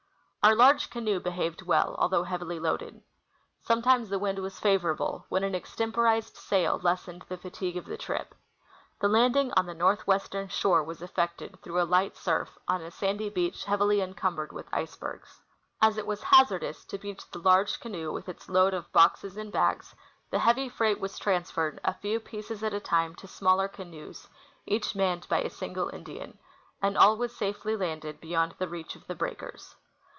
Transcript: Our large canOe behaved well, although heavily loaded. Some times the wind was favorable, when an extemporized sail lessened the fatigue of the trip. The landing on the northwestern shore was effected, through a light surf, on a sandy beach heavily en cumbered with icebergs. As it was hazardous to beach the large canoe with its load of boxes and bags, the heavy freight was transferred, a few pieces at a time, to smaller canoes, each manned by a single Indian, and all was safely landed beyond the reach of the breakers.